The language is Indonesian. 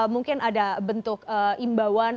mungkin ada bentuk imbauan